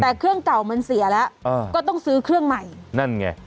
แต่เครื่องเก่ามันเสียแล้วก็ต้องซื้อเครื่องใหม่นั่นไง